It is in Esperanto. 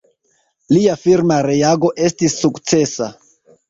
Lia firma reago estis sukcesa.